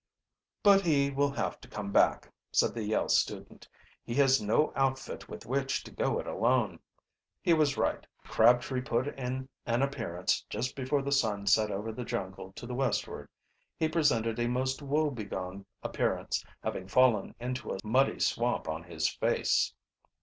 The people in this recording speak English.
"But he will have to come back," said the Vale student. "He has no outfit with which to go it alone." He was right. Crabtree put in an appearance just before the sun set over the jungle to the westward. He presented a most woebegone appearance, having fallen into a muddy swamp on his face.